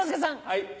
はい。